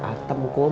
iko atau atem kum